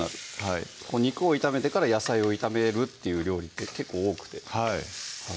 はい肉を炒めてから野菜を炒めるっていう料理って結構多くてはい